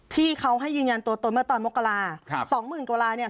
ที่เขาให้ยืนยันตัวตนเมื่อตอนมกราสองหมื่นกว่าลายเนี่ย